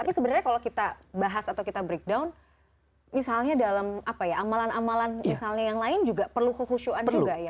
tapi sebenarnya kalau kita bahas atau kita breakdown misalnya dalam apa ya amalan amalan misalnya yang lain juga perlu kehusuan juga ya